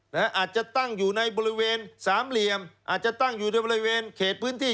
อาจจะตั้งอยู่ในบริเวณสามเหลี่ยมอาจจะตั้งอยู่ในบริเวณเขตพื้นที่